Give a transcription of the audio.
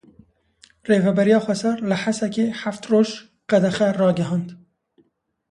Rêveberiya Xweser li Hesekê heft roj qedexe ragihand.